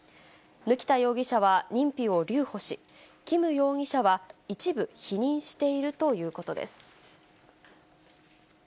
貫田容疑者は認否を留保し、キム容疑者は一部否認しているということです。